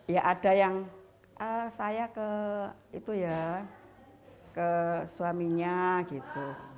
ya ada yang saya ke suaminya gitu